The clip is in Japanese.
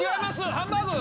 ハンバーグ！